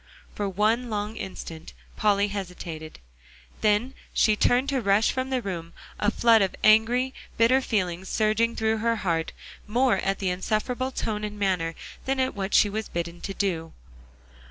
For one long instant, Polly hesitated; then she turned to rush from the room, a flood of angry, bitter feelings surging through her heart, more at the insufferable tone and manner, than at what she was bidden to do.